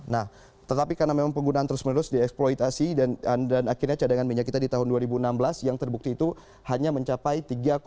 nah tetapi karena memang penggunaan terus menerus dieksploitasi dan akhirnya cadangan minyak kita di tahun dua ribu enam belas yang terbukti itu hanya mencapai tiga lima